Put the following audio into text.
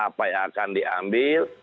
apa yang akan diambil